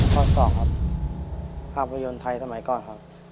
ข้อ๒ครับภาพยนตร์ไทยสมัยก่อนครับ